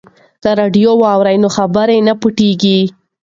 که راډیو واورو نو خبر نه پټیږي.